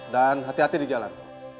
dan hati hati di jalan